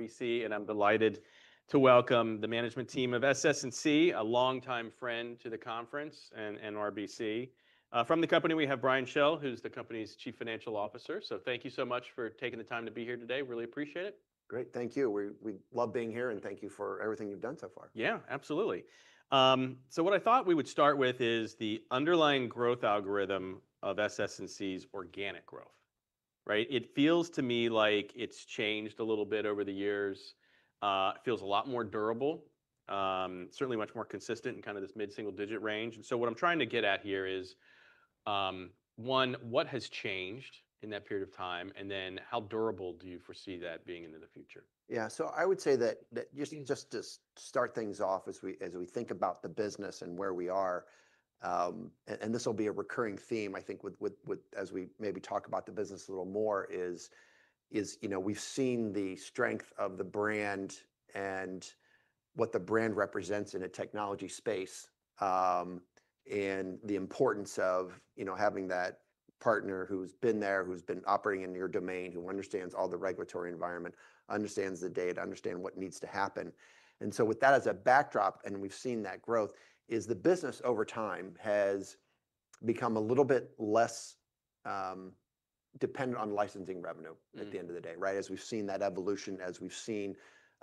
RBC, and I'm delighted to welcome the management team of SS&C, a longtime friend to the conference and RBC. From the company, we have Brian Schell, who's the company's Chief Financial Officer. Thank you so much for taking the time to be here today. Really appreciate it. Great. Thank you. We love being here, and thank you for everything you've done so far. Yeah, absolutely. What I thought we would start with is the underlying growth algorithm of SS&C's organic growth. Right? It feels to me like it's changed a little bit over the years. It feels a lot more durable. Certainly much more consistent in this mid-single-digit range. What I'm trying to get at here is, one, what has changed in that period of time, and then how durable do you foresee that being into the future? Yeah. I would say that, just to start things off as we think about the business and where we are, and this'll be a recurring theme, I think, as we maybe talk about the business a little more, is we've seen the strength of the brand and what the brand represents in a technology space, and the importance of having that partner who's been there, who's been operating in your domain, who understands all the regulatory environment, understands the data, understand what needs to happen. With that as a backdrop, and we've seen that growth, is the business over time has become a little bit less dependent on licensing revenue at the end of the day, right? As we've seen that evolution, as we've seen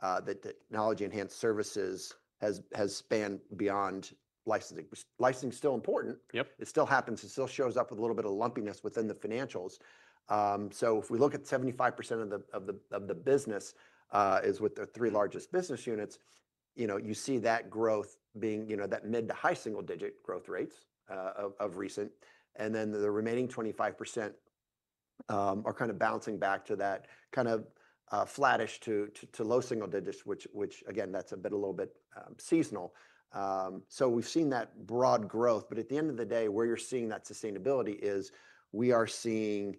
that technology-enhanced services has spanned beyond licensing. Licensing's still important. Yep. It still happens. It still shows up with a little bit of lumpiness within the financials. If we look at 75% of the business is with the three largest business units. You see that growth being that mid to high single-digit growth rates of recent. The remaining 25% are bouncing back to that flattish to low single digits, which again, that's a bit a little bit seasonal. We've seen that broad growth. At the end of the day, where you're seeing that sustainability is we are seeing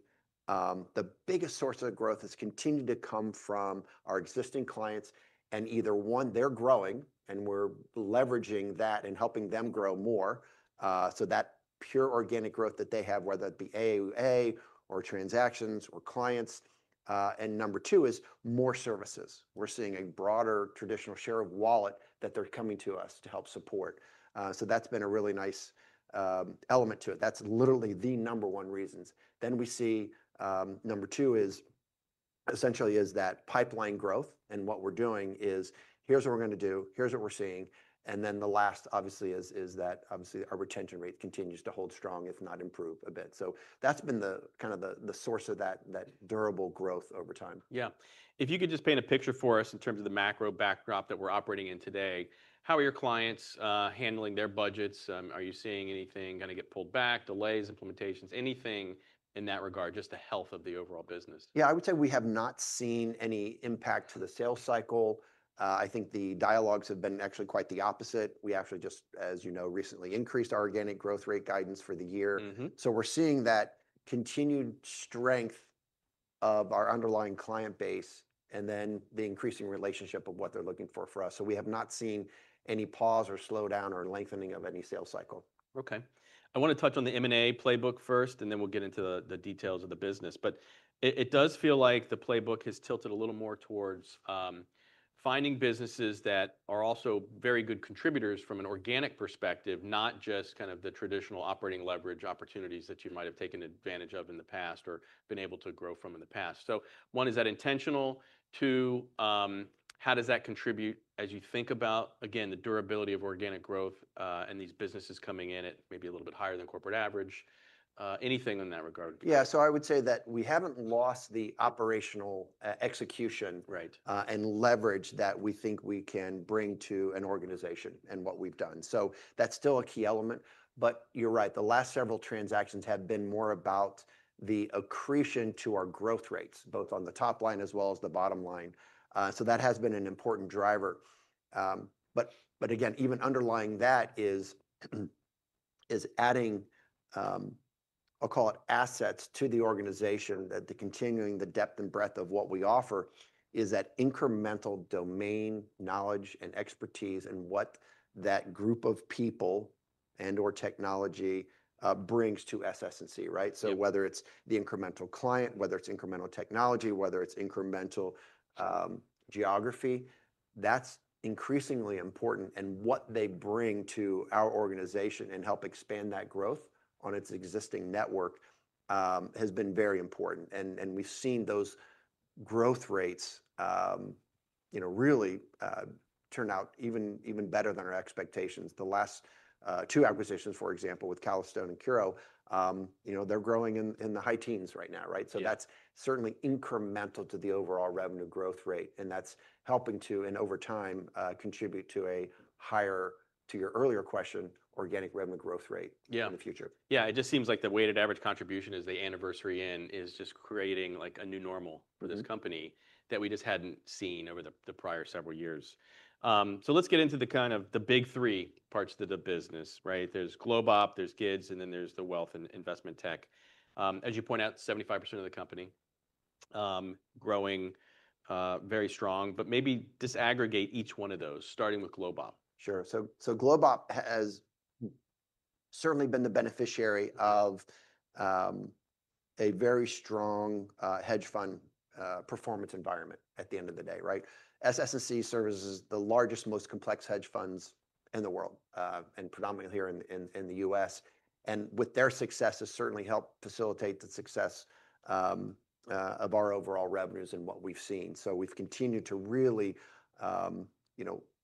the biggest source of growth has continued to come from our existing clients, and either, one, they're growing, and we're leveraging that and helping them grow more. That pure organic growth that they have, whether that be AUA, or transactions, or clients. Number two is more services. We're seeing a broader traditional share of wallet that they're coming to us to help support. That's been a really nice element to it. That's literally the number one reasons. We see number two essentially is that pipeline growth, and what we're doing is, "Here's what we're going to do, here's what we're seeing." The last, obviously, is that obviously our retention rate continues to hold strong, if not improve a bit. That's been the source of that durable growth over time. Yeah. If you could just paint a picture for us in terms of the macro backdrop that we're operating in today. How are your clients handling their budgets? Are you seeing anything going to get pulled back, delays, implementations, anything in that regard? Just the health of the overall business. Yeah. I would say we have not seen any impact to the sales cycle. I think the dialogues have been actually quite the opposite. We actually just, as you know, recently increased our organic growth rate guidance for the year. We're seeing that continued strength of our underlying client base, the increasing relationship of what they're looking for for us. We have not seen any pause or slow down or lengthening of any sales cycle. Okay. I want to touch on the M&A playbook first, we'll get into the details of the business. It does feel like the playbook has tilted a little more towards finding businesses that are also very good contributors from an organic perspective, not just the traditional operating leverage opportunities that you might have taken advantage of in the past or been able to grow from in the past. One, is that intentional? Two, how does that contribute as you think about, again, the durability of organic growth, and these businesses coming in at maybe a little bit higher than corporate average? Anything in that regard. Yeah. I would say that we haven't lost the operational execution. Right And leverage that we think we can bring to an organization, and what we've done. That's still a key element. You're right, the last several transactions have been more about the accretion to our growth rates, both on the top line as well as the bottom line. That has been an important driver. Again, even underlying that is adding, I'll call it, assets to the organization. The continuing, the depth and breadth of what we offer is that incremental domain knowledge and expertise and what that group of people and/or technology brings to SS&C, right? Yep. Whether it's the incremental client, whether it's incremental technology, whether it's incremental geography, that's increasingly important. What they bring to our organization and help expand that growth on its existing network has been very important. We've seen those growth rates really turn out even better than our expectations. The last two acquisitions, for example, with Calastone and Curo, they're growing in the high teens right now, right? Yeah. That's certainly incremental to the overall revenue growth rate, and that's helping to, in over time, contribute to a higher, to your earlier question, organic revenue growth rate- Yeah In the future. Yeah. It just seems like the weighted average contribution as they anniversary in is just creating a new normal for this company that we just hadn't seen over the prior several years. Let's get into the big three parts to the business, right? There's GlobeOp, there's GIDS, and then there's the Wealth and Investment Tech. As you point out, 75% of the company growing very strong. Maybe disaggregate each one of those, starting with GlobeOp. Sure. GlobeOp has certainly been the beneficiary of a very strong hedge fund performance environment at the end of the day, right? SS&C services the largest, most complex hedge funds in the world, and predominantly here in the U.S. With their successes, certainly help facilitate the success of our overall revenues and what we've seen. We've continued to really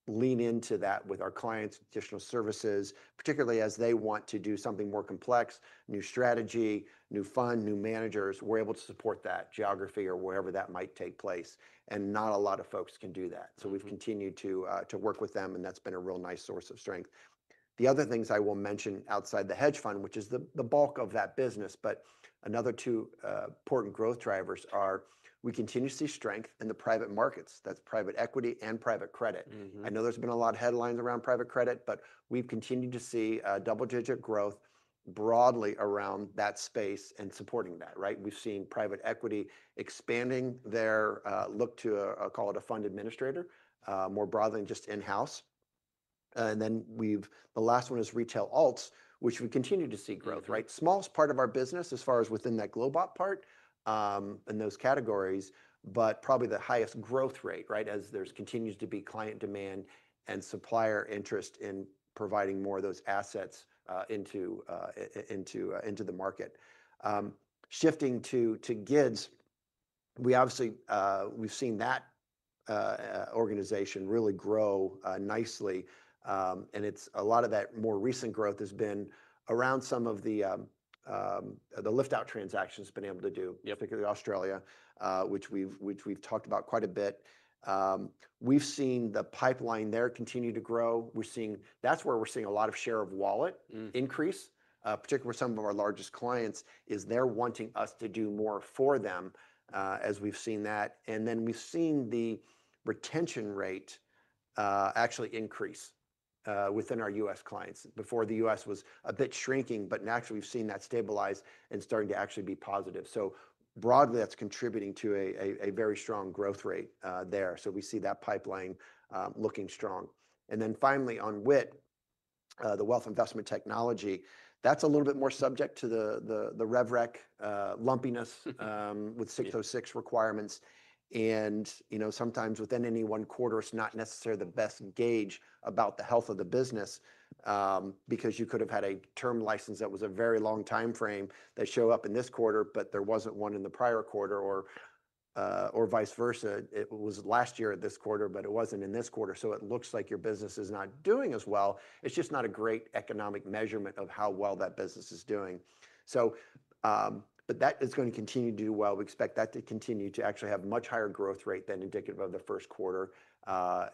lean into that with our clients, additional services, particularly as they want to do something more complex, new strategy, new fund, new managers. We're able to support that geography or wherever that might take place, and not a lot of folks can do that. We've continued to work with them, and that's been a real nice source of strength. The other things I will mention outside the hedge fund, which is the bulk of that business, but another two important growth drivers are we continue to see strength in the private markets. That's private equity and private credit. I know there's been a lot of headlines around private credit, we've continued to see double-digit growth broadly around that space and supporting that, right? We've seen private equity expanding their look to a, call it a fund administrator, more broadly than just in-house. The last one is retail alts, which we continue to see growth, right? Smallest part of our business as far as within that GlobeOp part in those categories, but probably the highest growth rate, right? As there continues to be client demand and supplier interest in providing more of those assets into the market. Shifting to GIDS, we obviously we've seen that organization really grow nicely. It's a lot of that more recent growth has been around some of the lift-out transactions it's been able to do. Yep. Particularly Australia, which we've talked about quite a bit. We've seen the pipeline there continue to grow. That's where we're seeing a lot of share of wallet increase. Particularly with some of our largest clients, is they're wanting us to do more for them, as we've seen that. We've seen the retention rate actually increase within our U.S. clients. Before, the U.S. was a bit shrinking, naturally, we've seen that stabilize and starting to actually be positive. Broadly, that's contributing to a very strong growth rate there. We see that pipeline looking strong. Finally on WIT, the Wealth Investment Technology, that's a little bit more subject to the rev rec lumpiness with ASC 606 requirements. Sometimes within any one quarter, it's not necessarily the best gauge about the health of the business, because you could've had a term license that was a very long timeframe that show up in this quarter, but there wasn't one in the prior quarter, or vice versa. It was last year at this quarter, it wasn't in this quarter, it looks like your business is not doing as well. It's just not a great economic measurement of how well that business is doing. That is going to continue to do well. We expect that to continue to actually have much higher growth rate than indicative of the first quarter.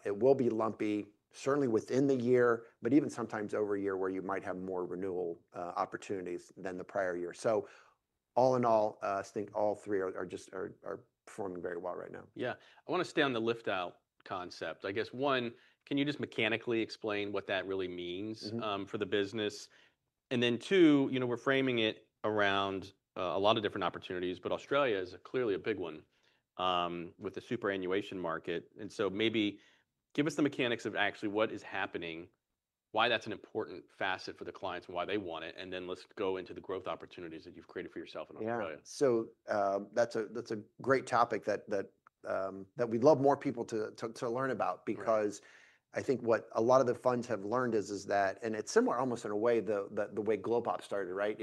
It will be lumpy, certainly within the year, but even sometimes over a year, where you might have more renewal opportunities than the prior year. All in all, I think all three are performing very well right now. Yeah. I want to stay on the lift-out concept. I guess, one, can you just mechanically explain what that really means for the business? Two, we're framing it around a lot of different opportunities, but Australia is clearly a big one with the superannuation market. Maybe give us the mechanics of actually what is happening, why that's an important facet for the clients, and why they want it, let's go into the growth opportunities that you've created for yourself in Australia. Yeah. That's a great topic that we'd love more people to learn about. Right. I think what a lot of the funds have learned is that, it's similar almost in a way the way GlobeOp started, right?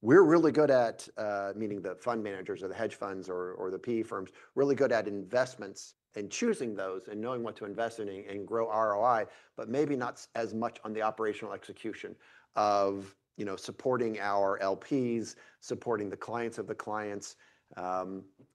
We're really good at, meaning the fund managers or the hedge funds or the PE firms, really good at investments and choosing those and knowing what to invest in and grow ROI, maybe not as much on the operational execution of supporting our LPs, supporting the clients of the clients,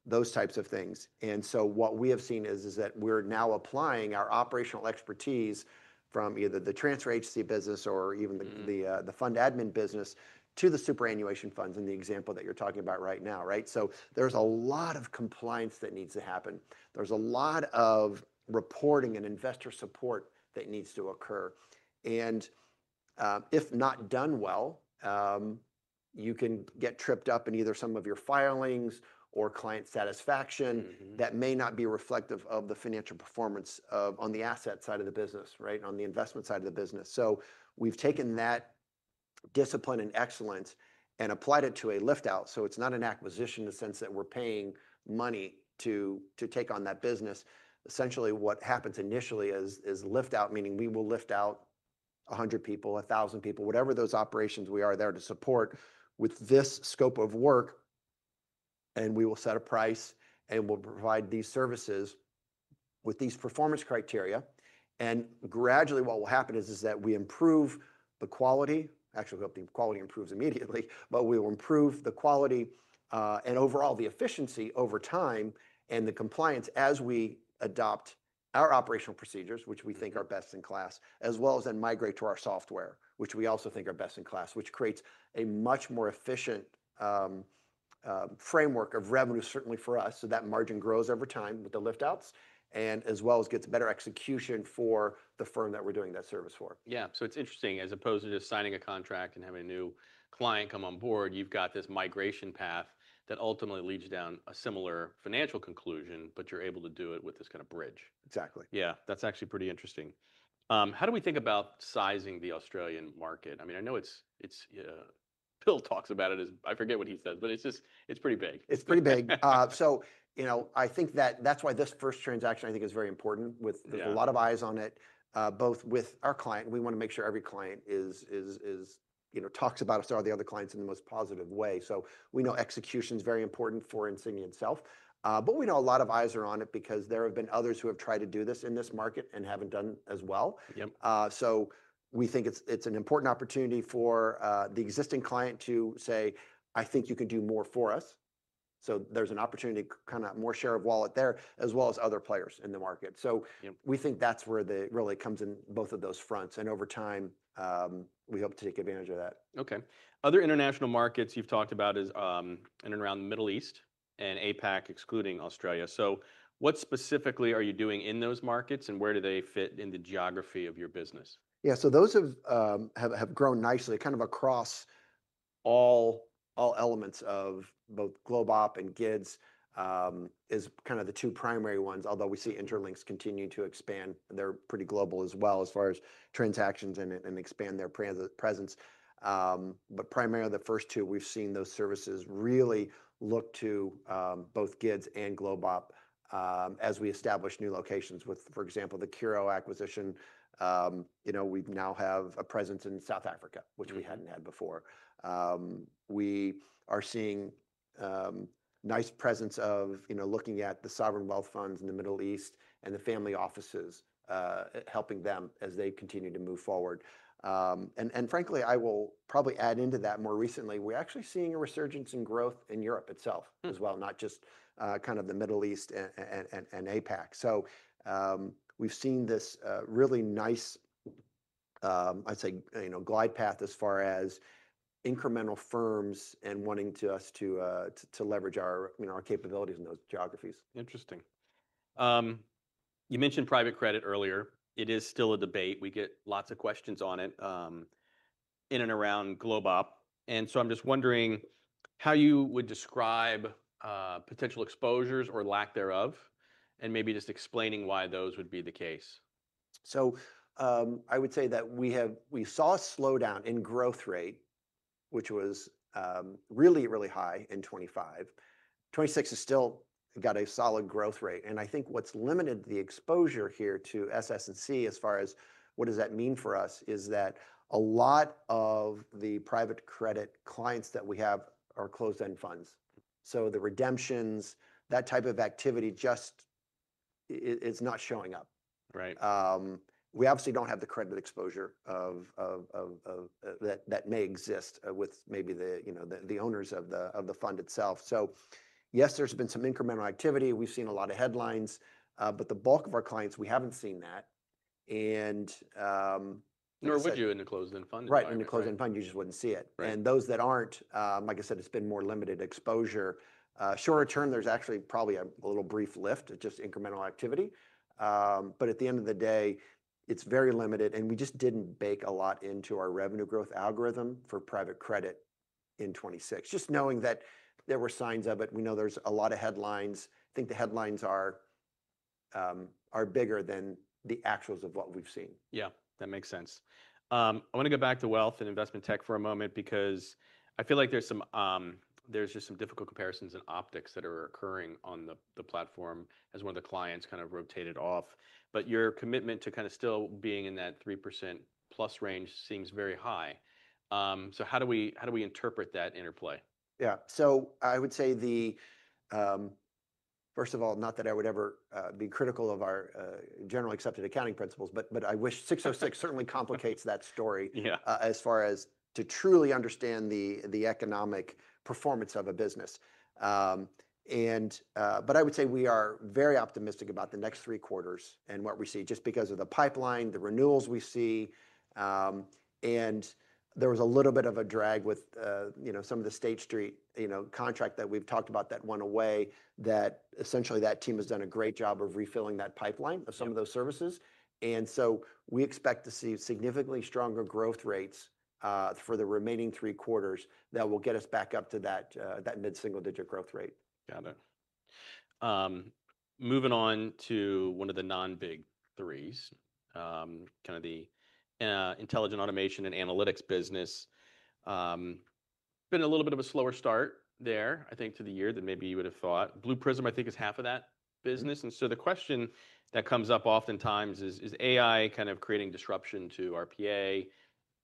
those types of things. What we have seen is that we're now applying our operational expertise from either the transfer agency business or even the the fund admin business to the superannuation funds in the example that you're talking about right now, right? There's a lot of compliance that needs to happen. There's a lot of reporting and investor support that needs to occur. If not done well, you can get tripped up in either some of your filings or client satisfaction that may not be reflective of the financial performance on the asset side of the business, right, on the investment side of the business. We've taken that discipline and excellence and applied it to a lift-out, so it's not an acquisition in the sense that we're paying money to take on that business. Essentially what happens initially is lift-out, meaning we will lift out 100 people, 1,000 people, whatever those operations we are there to support with this scope of work, and we will set a price, and we'll provide these services with these performance criteria. Gradually what will happen is that we improve the quality. Actually, the quality improves immediately, but we will improve the quality, and overall the efficiency over time, and the compliance as we adopt our operational procedures, which we think are best in class, as well as then migrate to our software, which we also think are best in class. Which creates a much more efficient framework of revenue, certainly for us, so that margin grows over time with the lift-outs. As well as gets better execution for the firm that we're doing that service for. Yeah. It's interesting, as opposed to just signing a contract and having a new client come on board, you've got this migration path that ultimately leads you down a similar financial conclusion, but you're able to do it with this kind of bridge. Exactly. Yeah. That's actually pretty interesting. How do we think about sizing the Australian market? I know Bill talks about it as I forget what he says, but it's pretty big. It's pretty big. I think that's why this first transaction, I think, is very important. Yeah A lot of eyes on it, both with our client, we want to make sure every client talks about us to all the other clients in the most positive way. We know execution's very important for Insignia itself. We know a lot of eyes are on it because there have been others who have tried to do this in this market and haven't done as well. Yep. We think it's an important opportunity for the existing client to say, "I think you can do more for us." There's an opportunity, more share of wallet there, as well as other players in the market. Yep We think that's where it really comes in both of those fronts, over time, we hope to take advantage of that. Okay. Other international markets you've talked about is in and around the Middle East and APAC, excluding Australia. What specifically are you doing in those markets, and where do they fit in the geography of your business? Yeah. Those have grown nicely, kind of across all elements of both GlobeOp and GIDS, is kind of the two primary ones. Although we see Intralinks continuing to expand. They're pretty global as well as far as transactions, and expand their presence. Primarily the first two, we've seen those services really look to both GIDS and GlobeOp as we establish new locations with, for example, the Curo acquisition. We now have a presence in South Africa which we hadn't had before. We are seeing nice presence of looking at the sovereign wealth funds in the Middle East and the family offices, helping them as they continue to move forward. Frankly, I will probably add into that more recently, we're actually seeing a resurgence in growth in Europe itself as well not just the Middle East and APAC. We've seen this really nice glide path as far as incremental firms and wanting us to leverage our capabilities in those geographies. Interesting. You mentioned private credit earlier. It is still a debate. We get lots of questions on it, in and around GlobeOp. I'm just wondering how you would describe potential exposures or lack thereof, and maybe just explaining why those would be the case. I would say that we saw a slowdown in growth rate, which was really, really high in 2025. 2026 has still got a solid growth rate, and I think what's limited the exposure here to SS&C as far as what does that mean for us, is that a lot of the private credit clients that we have are closed-end funds. The redemptions, that type of activity just is not showing up. Right. We obviously don't have the credit exposure that may exist with maybe the owners of the fund itself. Yes, there's been some incremental activity. We've seen a lot of headlines, but the bulk of our clients, we haven't seen that. Nor would you in a closed-end fund anyway, right? Right. In a closed-end fund, you just wouldn't see it. Right. Those that aren't, like I said, it's been more limited exposure. Shorter term, there's actually probably a little brief lift, just incremental activity. At the end of the day, it's very limited, and we just didn't bake a lot into our revenue growth algorithm for private credit in 2026. Just knowing that there were signs of it, we know there's a lot of headlines. Think the headlines are bigger than the actuals of what we've seen. Yeah. That makes sense. I want to go back to Wealth Investment Tech for a moment because I feel like there's just some difficult comparisons and optics that are occurring on the platform as one of the clients kind of rotated off. Your commitment to kind of still being in that 3%+ range seems very high. How do we interpret that interplay? Yeah. I would say the First of all, not that I would ever be critical of our general accepted accounting principles, but I wish ASC 606 certainly complicates that story. Yeah As far as to truly understand the economic performance of a business. I would say we are very optimistic about the next three quarters and what we see, just because of the pipeline, the renewals we see, and there was a little bit of a drag with some of the State Street contract that we've talked about that went away, that essentially that team has done a great job of refilling that pipeline of some of those services. We expect to see significantly stronger growth rates for the remaining three quarters that will get us back up to that mid-single digit growth rate. Got it. Moving on to one of the non-big threes, kind of the Intelligent Automation and Analytics business. Been a little bit of a slower start there, I think, to the year than maybe you would've thought. Blue Prism, I think, is half of that business. The question that comes up oftentimes is AI kind of creating disruption to RPA?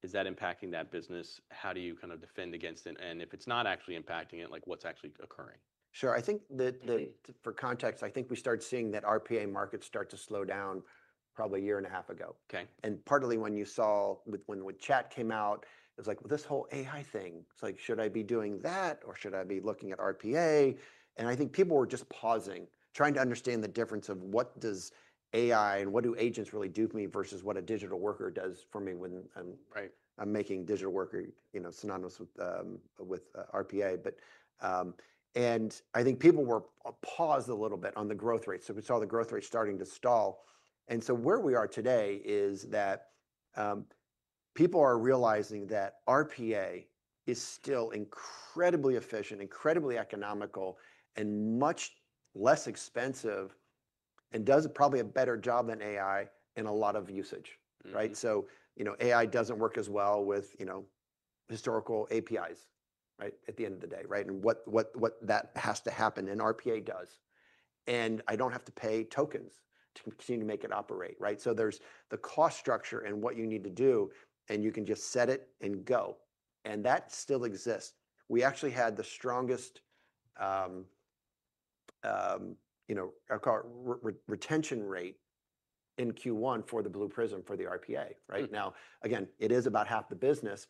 Is that impacting that business? How do you kind of defend against it? If it's not actually impacting it, what's actually occurring? Sure. I think for context, I think we started seeing that RPA market start to slow down probably a year and a half ago. Okay. Partly when you saw when chat came out, it was like, "Well, this whole AI thing," it's like, "Should I be doing that or should I be looking at RPA?" I think people were just pausing, trying to understand the difference of what does AI and what do agents really do for me versus what a digital worker does for me when I'm. Right I'm making digital worker synonymous with RPA. I think people were paused a little bit on the growth rate, so we saw the growth rate starting to stall. Where we are today is that people are realizing that RPA is still incredibly efficient, incredibly economical, and much less expensive and does probably a better job than AI in a lot of usage. AI doesn't work as well with historical APIs at the end of the day. What that has to happen, and RPA does. I don't have to pay tokens to continue to make it operate. There's the cost structure and what you need to do, and you can just set it and go. That still exists. We actually had the strongest retention rate in Q1 for the Blue Prism, for the RPA. Now, again, it is about half the business.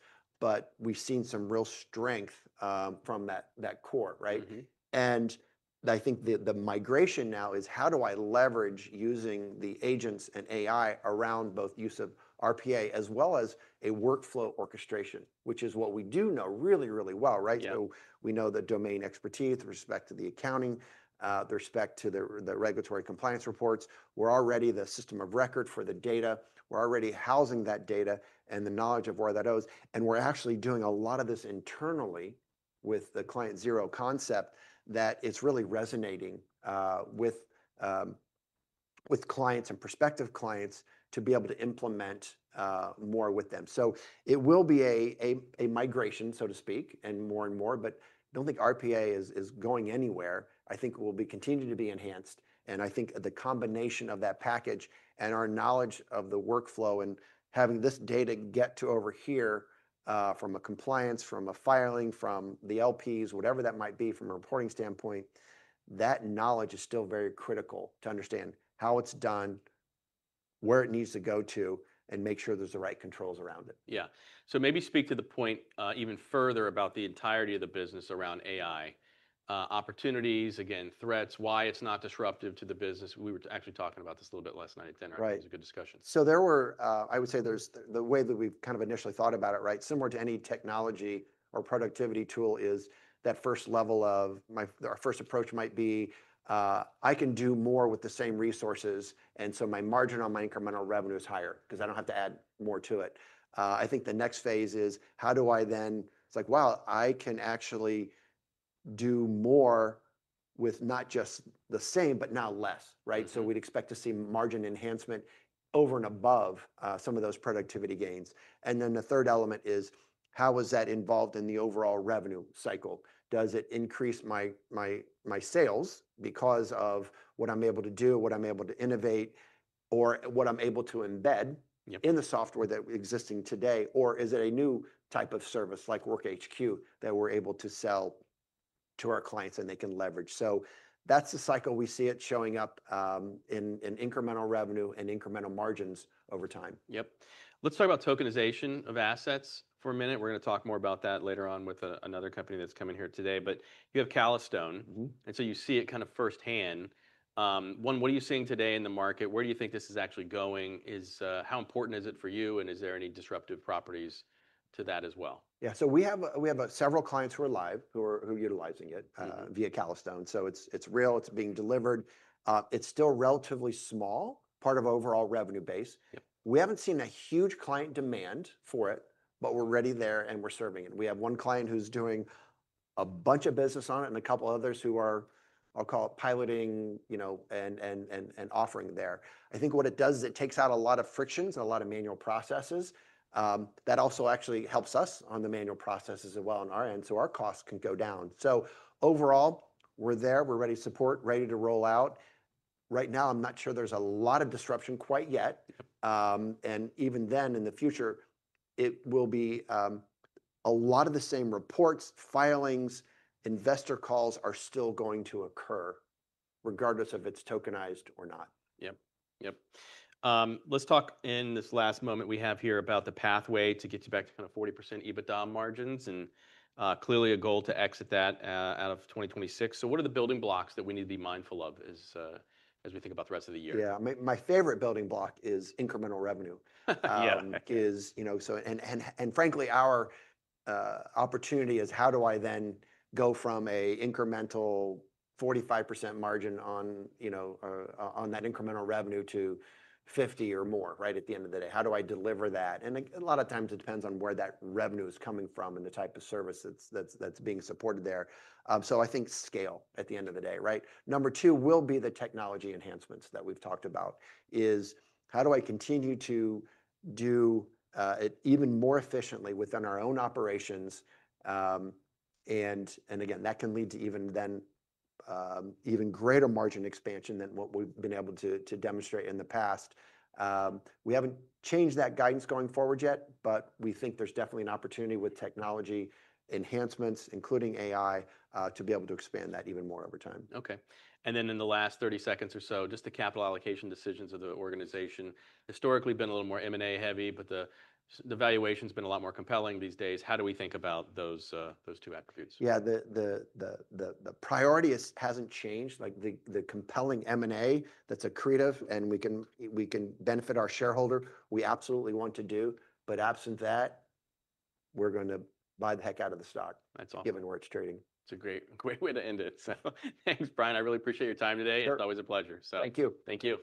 We've seen some real strength from that core. I think the migration now is how do I leverage using the agents and AI around both use of RPA as well as a workflow orchestration, which is what we do know really, really well. Yeah. We know the domain expertise with respect to the accounting, the respect to the regulatory compliance reports. We're already the system of record for the data. We're already housing that data and the knowledge of where that goes. We're actually doing a lot of this internally with the Client Zero concept that it's really resonating with clients and prospective clients to be able to implement more with them. It will be a migration, so to speak, and more and more, but I don't think RPA is going anywhere. I think it will be continued to be enhanced, and I think the combination of that package and our knowledge of the workflow and having this data get to over here, from a compliance, from a filing, from the LPs, whatever that might be, from a reporting standpoint, that knowledge is still very critical to understand how it's done, where it needs to go to, and make sure there's the right controls around it. Yeah. Maybe speak to the point even further about the entirety of the business around AI. Opportunities, again, threats, why it's not disruptive to the business. We were actually talking about this a little bit last night at dinner. Right. It was a good discussion. I would say the way that we've kind of initially thought about it. Similar to any technology or productivity tool is that first level of our first approach might be, I can do more with the same resources, my margin on my incremental revenue is higher because I don't have to add more to it. I think the next phase is how do I It's like, wow, I can actually do more with not just the same, but now less. We'd expect to see margin enhancement over and above some of those productivity gains. The third element is how is that involved in the overall revenue cycle? Does it increase my sales because of what I'm able to do, what I'm able to innovate, or what I'm able to embed Yep In the software that existing today? Or is it a new type of service, like WorkHQ, that we're able to sell to our clients, and they can leverage? That's the cycle. We see it showing up in incremental revenue and incremental margins over time. Yep. Let's talk about tokenization of assets for a minute. We're going to talk more about that later on with another company that's coming here today. You have Calastone. You see it kind of firsthand. One, what are you seeing today in the market? Where do you think this is actually going? How important is it for you, and is there any disruptive properties to that as well? Yeah. We have several clients who are live, who are utilizing it via Calastone. It's real. It's being delivered. It's still relatively small part of overall revenue base. Yep. We haven't seen a huge client demand for it, but we're ready there, we're serving it. We have one client who's doing a bunch of business on it, and a couple others who are, I'll call it, piloting and offering there. I think what it does is it takes out a lot of frictions and a lot of manual processes. That also actually helps us on the manual processes as well on our end, so our costs can go down. Overall, we're there. We're ready to support, ready to roll out. Right now, I'm not sure there's a lot of disruption quite yet. Yep. Even then, in the future, it will be a lot of the same reports, filings, investor calls are still going to occur regardless if it's tokenized or not. Yep. Let's talk in this last moment we have here about the pathway to get you back to kind of 40% EBITDA margins, clearly a goal to exit that out of 2026. What are the building blocks that we need to be mindful of as we think about the rest of the year? Yeah. My favorite building block is incremental revenue. Yeah. Frankly, our opportunity is how do I then go from a incremental 45% margin on that incremental revenue to 50% or more at the end of the day. How do I deliver that? A lot of times, it depends on where that revenue is coming from and the type of service that's being supported there. I think scale at the end of the day. Number two will be the technology enhancements that we've talked about is how do I continue to do it even more efficiently within our own operations? Again, that can lead to even then even greater margin expansion than what we've been able to demonstrate in the past. We haven't changed that guidance going forward yet, but we think there's definitely an opportunity with technology enhancements, including AI, to be able to expand that even more over time. Okay. In the last 30 seconds or so, just the capital allocation decisions of the organization. Historically been a little more M&A heavy, the valuation's been a lot more compelling these days. How do we think about those two attributes? Yeah. The priority hasn't changed. The compelling M&A that's accretive, we can benefit our shareholder, we absolutely want to do. Absent that, we're going to buy the heck out of the stock. That's awesome. Given where it's trading. It's a great way to end it. Thanks, Brian. I really appreciate your time today. Sure. It's always a pleasure. Thank you. Thank you.